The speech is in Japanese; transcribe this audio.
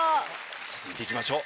続いていきましょう！